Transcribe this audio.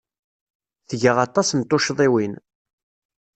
Tga aṭas n tuccḍiwin.